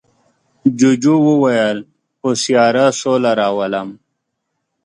جوجو وویل په سیاره سوله راولم.